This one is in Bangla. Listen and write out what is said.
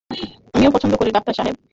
আমিও পছন্দ করি, ডাক্তার সাহেব।